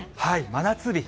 真夏日。